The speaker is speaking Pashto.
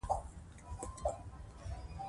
دا خاوره زموږ مور ده.